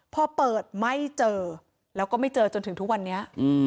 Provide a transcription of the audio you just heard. พอเปิดไม่เจอแล้วก็ไม่เจอจนถึงทุกวันนี้